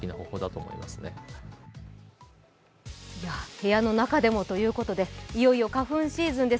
部屋の中でもということで、いよいよ花粉シーズンです。